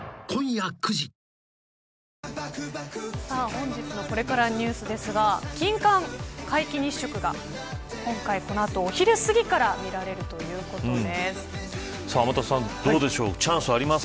本日のこれからニュースですが金環皆既日食が今日この後、お昼過ぎから天達さんどうでしょう。